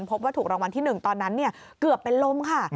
พบว่าถูกรางวัลที่๑ตอนนั้นเกือบเป็นลมค่ะ